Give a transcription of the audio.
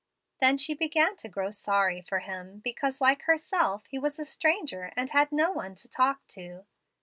Then she began to grow sorry for him because, like herself, he was a stranger and had no one to talk to.